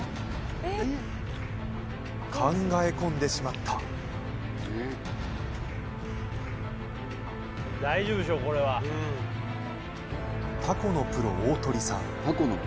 考え込んでしまったたこのプロ大鳥さん